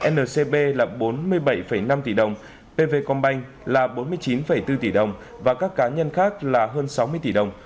ncb là bốn mươi bảy năm tỷ đồng pv combin là bốn mươi chín bốn tỷ đồng và các cá nhân khác là hơn sáu mươi tỷ đồng